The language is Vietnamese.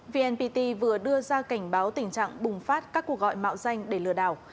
vnpt vừa đưa ra cảnh báo tình trạng bùng phát các cuộc gọi mạo danh để lừa đảo